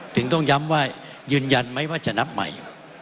ถึงต้องย้ำว่ายืนยันไหมว่าจะนับใหม่